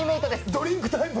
ドリンクタイプ。